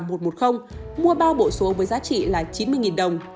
mua bao bộ số với giá trị là chín mươi đồng